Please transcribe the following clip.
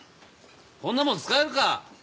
こんなもん使えるか！